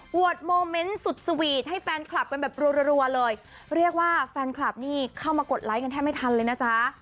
วดโมเมนต์สุดสวีทให้แฟนคลับกันแบบรัวเลยเรียกว่าแฟนคลับนี่เข้ามากดไลค์กันแทบไม่ทันเลยนะจ๊ะ